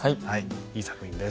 いい作品です。